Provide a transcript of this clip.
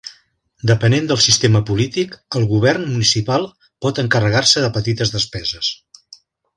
Depenent del sistema polític, el govern municipal pot encarregar-se de petites despeses.